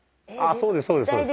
あそうです